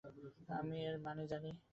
আমি এর মানে জানি।